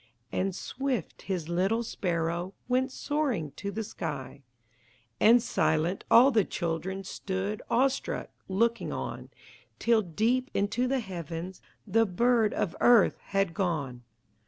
And swift, His little sparrow Went soaring to the sky, And silent, all the children Stood, awestruck, looking on, Till, deep into the heavens, The bird of earth had gone.